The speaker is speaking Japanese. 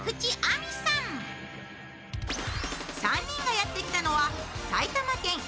３人がやってきたのは埼玉県